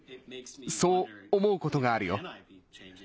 そう思うことがあるよ。